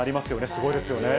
すごいですよね。